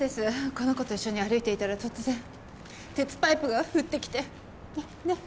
この子と一緒に歩いていたら突然鉄パイプが降ってきてねっねっ？